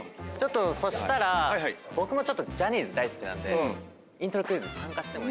そしたら僕もジャニーズ大好きなんでイントロクイズ参加しても。